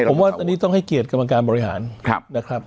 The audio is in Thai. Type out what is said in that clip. ผมว่าอันนี้ต้องให้เกียรติกรรมการบริหารนะครับ